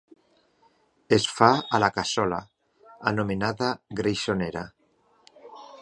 Es fa a la cassola, anomenada greixonera.